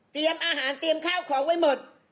อาหารเตรียมข้าวของไว้หมด